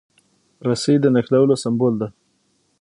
رسۍ د نښلولو سمبول ده.